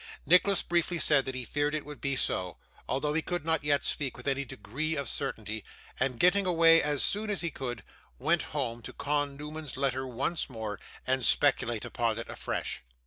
Nicholas briefly said that he feared it would be so, although he could not yet speak with any degree of certainty; and getting away as soon as he could, went home to con Newman's letter once more, and speculate upon it afresh.